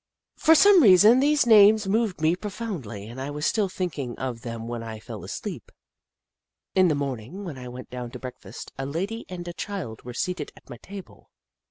For some reason, these names moved me profoundly, and I was still thinking of them when I fell asleep. In the morning, when I went down to break fast, a lady and a child were seated at my table.